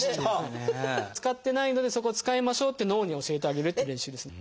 使ってないのでそこを使いましょうって脳に教えてあげるっていう練習ですね。